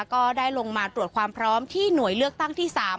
ก็ได้ลงมาตรวจความพร้อมที่หน่วยเลือกตั้งที่๓